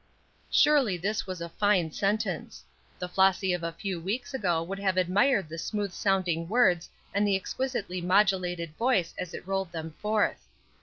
Surely this was a fine sentence. The Flossy of a few weeks ago would have admired the smooth sounding words and the exquisitely modulated voice as it rolled them forth.